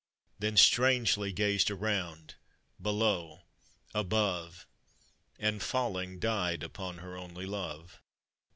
Then strangely gazed around, below, above! And falling, died upon her only love.